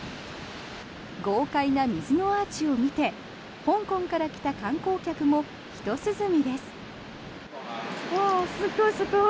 豪快な水のアーチを見て香港から来た観光客もひと涼みです。